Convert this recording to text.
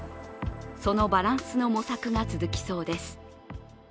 そのバランスの模索が続きそうです。